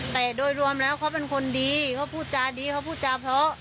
แต่โดยรวมแล้วเขาเป็นคนดีเขาพูดจาดีเขาพูดจาเพราะ